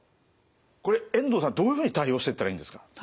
これ遠藤さんどういうふうに対応してったらいいんですか？